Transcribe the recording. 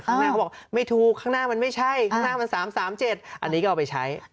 ข้างหน้าเขาบอกไม่ถูกข้างหน้ามันไม่ใช่ข้างหน้ามัน๓๓๗อันนี้ก็เอาไปใช้